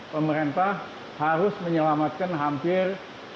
pemerintah harus menyelamatkan hampir